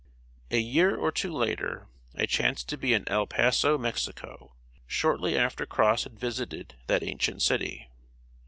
A year or two later, I chanced to be in El Paso, Mexico, shortly after Cross had visited that ancient city.